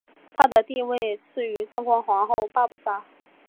她的地位次于正宫皇后八不沙。